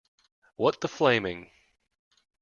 What the flaming.